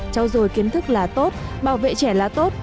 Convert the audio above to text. trao dồi kiến thức là tốt bảo vệ trẻ là tốt